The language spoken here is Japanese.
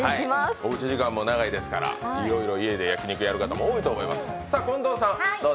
おうち時間も長いですからいろいろ家で焼き肉をやる方も多いと思います。